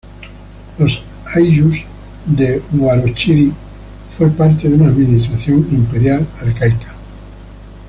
Los Ayllus de Huarochirí fue parte de una administración imperial incaico.